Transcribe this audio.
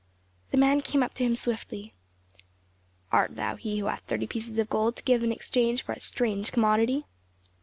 The man came up to him swiftly. "Art thou he who hath thirty pieces of gold to give in exchange for a strange commodity?"